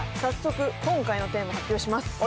早速今回のテーマ発表します。